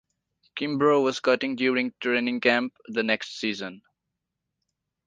Kimbrough was cut during training camp the next season.